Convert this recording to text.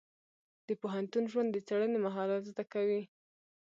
د پوهنتون ژوند د څېړنې مهارت زده کوي.